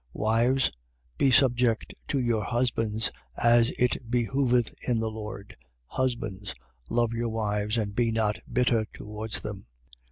3:18. Wives, be subject to your husbands, as it behoveth in the Lord. 3:19. Husbands, love your wives and be not bitter towards them.